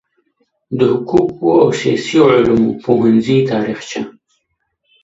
د حقوقو او سیاسي علومو پوهنځي تاریخچه